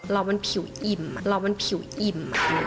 เรามันผิวอิ่มเรามันผิวอิ่ม